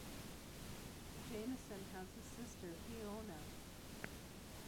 Jamieson has a sister, Fiona.